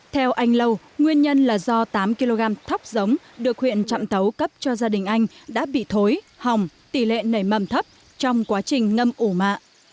theo anh lâu nguyên nhân là do tám kg thóc giống được huyện trạm tấu cấp cho gia đình anh đã bị thối hòng tỷ lệ nảy mầm thấp trong quá trình ngâm ủ mạ